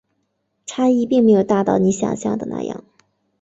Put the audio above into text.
差异并没有大到你想像的那样